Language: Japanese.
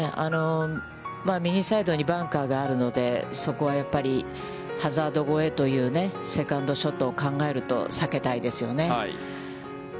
右サイドにバンカーがあるので、そこはやっぱり、ハザード越えというセカンドショットを考えると、避けたいですよね。